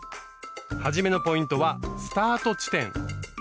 初めのポイントはスタート地点。